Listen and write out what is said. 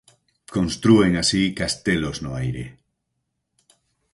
Constrúen así castelos no aire.